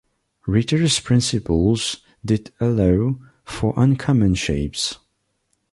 Ritter's principles did allow for uncommon shapes.